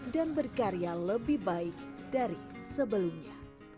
dan berkarya lebih baik dari sebelumnya